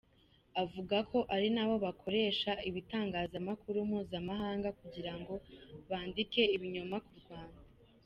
Avuga ko ari na bo bakoresha ibitangazamakuru mpuzamahanga kugira ngo bandike ibinyoma ku Rwanda.